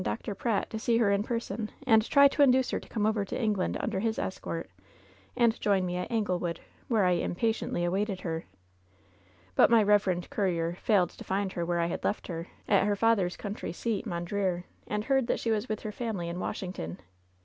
Dr. Pratt, to see her in person, and try to iiiduce her to come over to England under his escort and join me at Anglewood, where I impatiently awaited her. But my reverend courier failed to find her where I had left her, at her father's country seat, Mondreer, and heard that she was with her family in Washington.